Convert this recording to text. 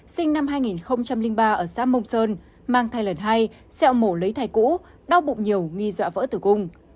sinh năm hai nghìn ba ở xã mông sơn mang thai lần hai xeo mổ lấy thai cũ đau bụng nhiều nghi dọa vỡ tử cung